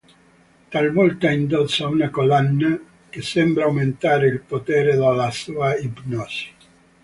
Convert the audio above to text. Talvolta indossa una collana che sembra aumentare il potere della sua ipnosi.